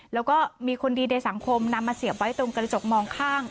แล้วก็มีคนดีในสังคมนำมาเสียบไว้ตรงกระจกมองข้าง